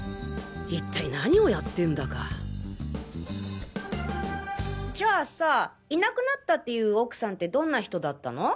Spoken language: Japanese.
いったい何をやってんだかじゃあさいなくなったっていう奥さんってどんな人だったの？